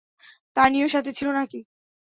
তানিও সাথে ছিল নাকি?